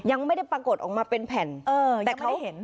ยังไม่ได้ปรากฏออกมาเป็นแผ่นเออยังไม่ได้เห็น